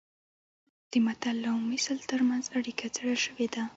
د متل او مثل ترمنځ اړیکه څېړل شوې ده